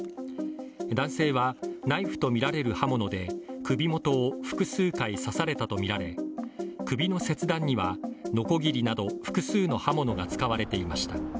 男性はナイフとみられる刃物で首元を複数回刺されたとみられ首の切断には、のこぎりなど複数の刃物が使われていました。